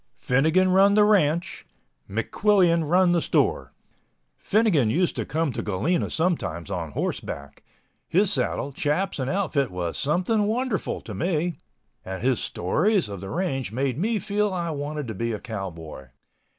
Finnegan run the ranch, McQuillian run the store. Finnegan used to come to Galena sometimes on horseback. His saddle, chaps and outfit was something wonderful to me—and his stories of the range made me feel I wanted to be a cowboy.